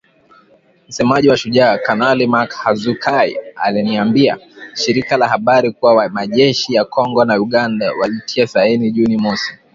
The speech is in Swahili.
Msemaji wa Shujaa, Kanali Mak Hazukay aliliambia shirika la habari kuwa majeshi ya Kongo na Uganda walitia saini Juni mosi.